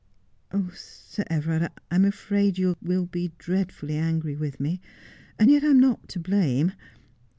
Oh, Sir Everard, I'm afraid you will be dreadfully angry with me ; and yet I am not to blame.